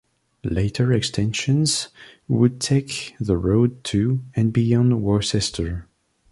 Later extensions would take the road to and beyond Worcester.